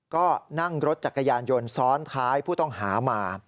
ก็นั่งรถจักรยานยนต์ซ้อนท้ายผู้ต้องหามา